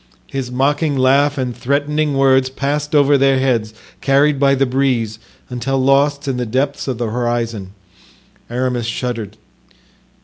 His mocking laugh and threatening words passed over their heads, carried by the breeze, until lost in the depths of the horizon. Aramis shuddered.